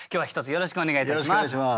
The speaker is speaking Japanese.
よろしくお願いします。